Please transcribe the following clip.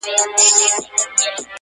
اوس یې پر پېچومو د کاروان حماسه ولیکه-